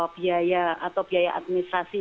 biaya atau biaya administrasi